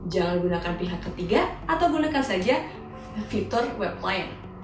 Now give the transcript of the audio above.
jangan gunakan pihak ketiga atau gunakan saja fitur web lain